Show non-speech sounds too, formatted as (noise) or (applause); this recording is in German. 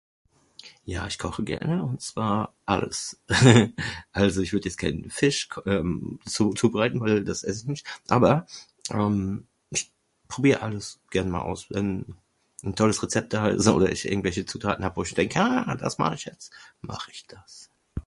Ja ich koche gerne und zwar alles. (laughs) Also ich würde jetzt keinen Fisch k.. ehm zubereiten weil das ess ich nicht. Aber ehm ich probier alles gern mal aus wenn nen tolles Rezept da ist oder ich irgendwelche Zutaten hab wo ich denk haaa das mach ich jetzt, mach ich das.